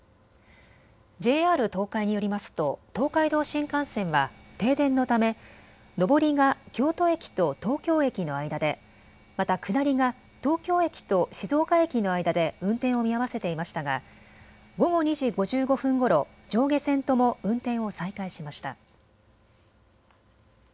ＪＲ東海によりますと東海道新幹線は停電のため上りが京都駅と東京駅の間で、また下りが東京駅と静岡駅の間で運転を見合わせていましたが午後２時５５分ごろ、上下線とも運転を再開しました。